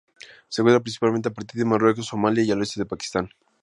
Se encuentra principalmente a partir de Marruecos Somalia y el oeste de Pakistán.